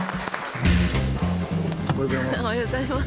おはようございます。